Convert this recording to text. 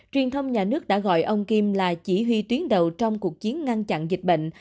truyền thông nhà nước đã gọi ông kim là chỉ huy tuyến đầu trong cuộc chiến ngăn chặn dịch bệnh